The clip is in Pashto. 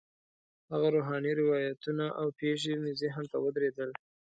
هغه روحاني روایتونه او پېښې مې ذهن ته ودرېدل.